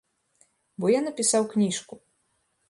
Бо я напісаў кніжку.